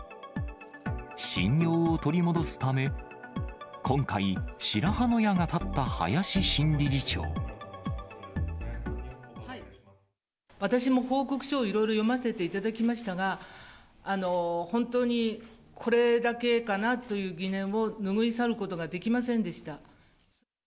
信用を取り戻すため、今回、私も報告書をいろいろ読ませていただきましたが、本当にこれだけかなという疑念を拭い去ることができませんでした。